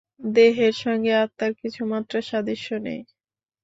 দেহের সঙ্গে আত্মার কিছুমাত্র সাদৃশ্য নেই।